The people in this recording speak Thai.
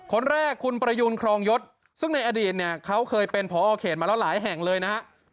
คนแรกคุณประยูนครองยศซึ่งในอดีตเนี่ยเขาเคยเป็นพอเขตมาแล้วหลายแห่งเลยนะฮะ